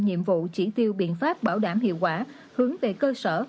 nhiệm vụ chỉ tiêu biện pháp bảo đảm hiệu quả hướng về cơ sở